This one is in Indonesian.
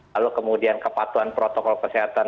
lalu kemudian kepatuhan protokol kesehatan